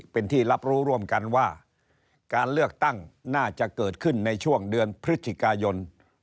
เป็นที่รับรู้ร่วมกันว่าการเลือกตั้งน่าจะเกิดขึ้นในช่วงเดือนพฤศจิกายน